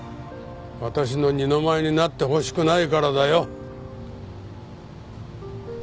私の二の舞になってほしくないからだよ。